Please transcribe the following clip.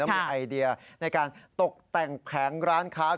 มีไอเดียในการตกแต่งแผงร้านขาของตัวเอง